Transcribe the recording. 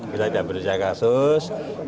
kita tidak berbicara kasus